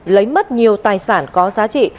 lấy mất nhiều tài sản có giá trị